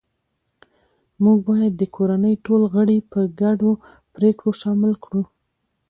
موږ باید د کورنۍ ټول غړي په ګډو پریکړو شامل کړو